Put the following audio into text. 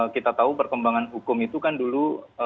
kita tahu perkembangan hukum itu kan dulu